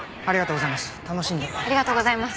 ありがとうございます。